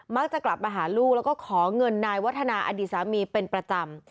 กลับมาหาลูกแล้วก็ขอเงินนายวัฒนาอดีตสามีเป็นประจำ